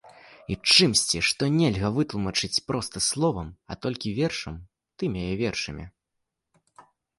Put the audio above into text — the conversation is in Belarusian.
І чымсьці, што нельга вытлумачыць проста словам, а толькі вершам, тымі яе вершамі.